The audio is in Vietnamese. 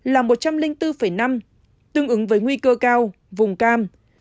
là một trăm linh bốn năm tương ứng với nguy cơ cao vùng cam